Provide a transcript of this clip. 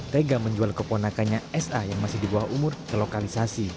tega menjual keponakannya sa yang masih di bawah umur kelokalisasi